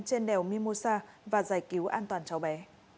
trên đèo mimosa và giải cứu an toàn cháu bé